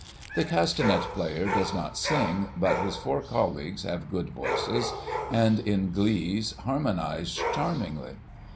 The castanet player does not sing; but his four colleagues have good voices, and, in glees, harmonize charmingly.